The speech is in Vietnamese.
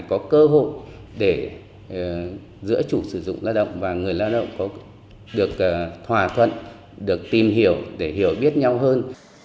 có cơ hội để giữa chủ sử dụng lao động và người lao động có được thỏa thuận được tìm hiểu để hiểu biết nhau hơn